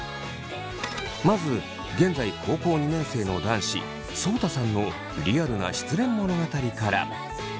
まず現在高校２年生の男子そうたさんのリアルな失恋物語から。